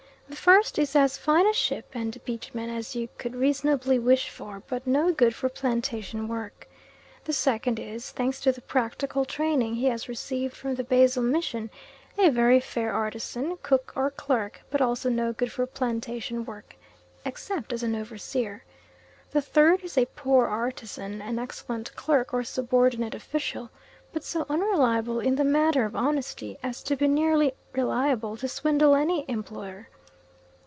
The first is as fine a ship and beach man as you could reasonably wish for, but no good for plantation work. The second is, thanks to the practical training he has received from the Basel Mission, a very fair artisan, cook, or clerk, but also no good for plantation work, except as an overseer. The third is a poor artisan, an excellent clerk, or subordinate official, but so unreliable in the matter of honesty as to be nearly reliable to swindle any employer.